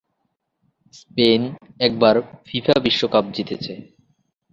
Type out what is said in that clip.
Spain একবার FIFA বিশ্বকাপ জিতেছে।